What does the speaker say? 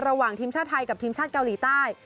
ระหว่างทีมชาติไทยกับทีมชาติเกาหลีใต้